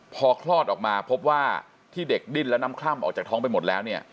พอคลอดออกมาพบว่าที่เด็กดิ้นและน้ำคล่ำออกจากท้องไปหมดแล้วเนี่ย